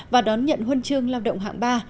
và đón nhận huân chương lao động hạng ba